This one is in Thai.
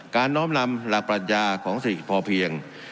น้อมนำหลักปรัชญาของเศรษฐกิจพอเพียง